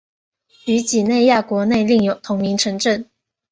于几内亚国内另有同名城镇。